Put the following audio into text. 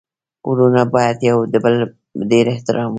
ورونه باید يو د بل ډير احترام ولري.